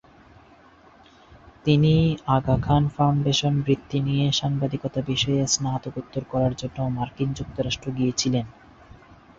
তিনি আগা খান ফাউন্ডেশন বৃত্তি নিয়ে সাংবাদিকতা বিষয়ে স্নাতকোত্তর করার জন্য মার্কিন যুক্তরাষ্ট্রে গিয়েছিলেন।